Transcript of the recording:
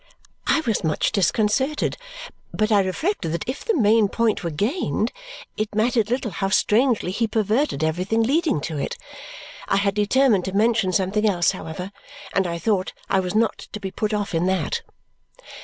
I was much disconcerted, but I reflected that if the main point were gained, it mattered little how strangely he perverted everything leading to it. I had determined to mention something else, however, and I thought I was not to be put off in that.